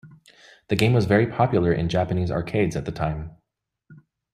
The game was very popular in Japanese arcades at the time.